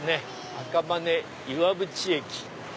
赤羽岩淵駅。